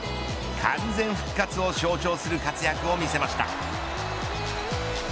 完全復活を象徴する活躍を見せました。